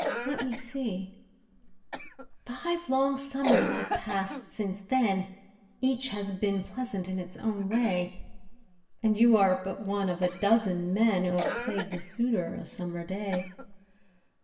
Let me see: Five long Summers have passed since then— Each has been pleasant in its own way— And you are but one of a dozen men Who have played the suitor a Summer day.